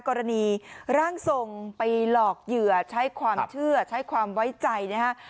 กรณีร่างทรงไปหลอกเหยื่อใช้ความเชื่อใช้ความไว้ใจนะฮะ